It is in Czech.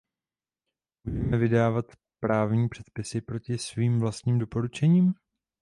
Můžeme vydávat právní předpisy proti svým vlastním doporučením?